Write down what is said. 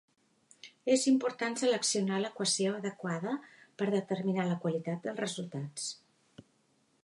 És important seleccionar l'equació adequada per determinar la qualitat dels resultats.